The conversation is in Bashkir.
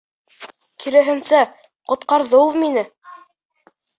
Киреһенсә, ҡотҡарҙы ул мине.